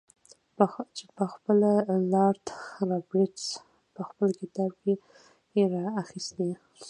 چې پخپله لارډ رابرټس په خپل کتاب کې را اخیستی.